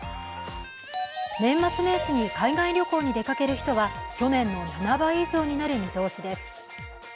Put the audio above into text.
年末年始に海外旅行に出かける人は、去年の７倍以上になる見通しです。